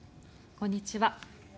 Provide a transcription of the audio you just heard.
こんにちは。